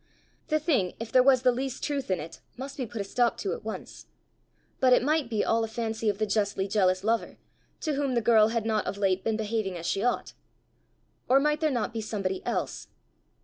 The thing, if there was the least truth in it, must be put a stop to at once! but it might be all a fancy of the justly jealous lover, to whom the girl had not of late been behaving as she ought! Or might there not be somebody else?